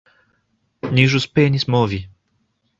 Ni ĵus penis movi